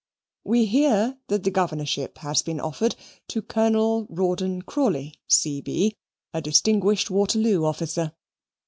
We hear that the Governorship has been offered to Colonel Rawdon Crawley, C.B., a distinguished Waterloo officer.